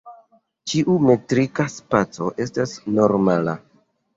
Ĉiu metrika spaco estas normala.